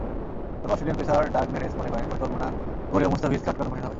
তবে Australian pacer Dirk Nannes মনে করেন, পরিকল্পনা করেও মুস্তাফিজকে আটকানো কঠিন হবে।